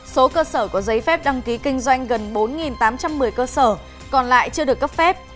số cơ sở có giấy phép đăng ký kinh doanh gần bốn tám trăm một mươi cơ sở còn lại chưa được cấp phép